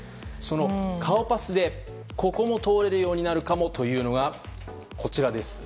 顔パスでここも通れるようになるかもというのがこちら。